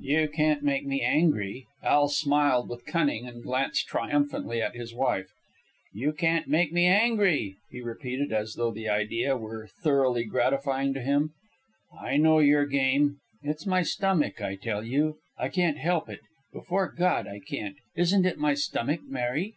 "You can't make me angry." Al smiled with cunning, and glanced triumphantly at his wife. "You can't make me angry," he repeated, as though the idea were thoroughly gratifying to him. "I know your game. It's my stomach, I tell you. I can't help it. Before God, I can't! Isn't it my stomach, Mary?"